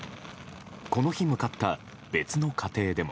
この日向かった別の家庭でも。